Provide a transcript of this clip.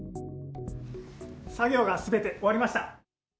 作業がすべて終わりました。